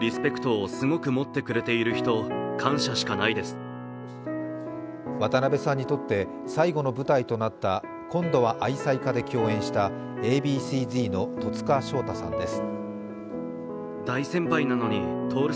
爆笑問題の太田光さんは渡辺さんにとって最後の舞台になった「今度は愛妻家」で共演したＡ．Ｂ．Ｃ−Ｚの戸塚祥太さんです。